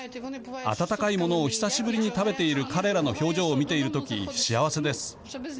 温かいものを久しぶりに食べている彼らの表情を見ている時幸せです。